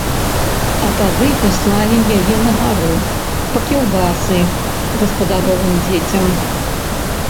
А тады паслалі яе на гару па кілбасы гаспадаровым дзецям.